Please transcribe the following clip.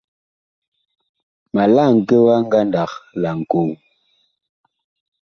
Ma laŋke wa ngandag laŋkoo.